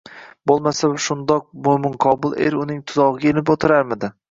Bo`lmasa shundoq mo`minqobil er uning tuzog`iga ilinib o`tirarmidi